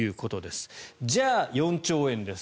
じゃあ、４兆円です。